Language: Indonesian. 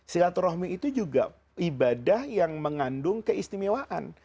silaturahmi itu juga ibadah yang mengandung keistimewaan